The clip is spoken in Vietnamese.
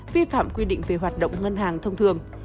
vi phạm quy định về hoạt động ngân hàng thông thường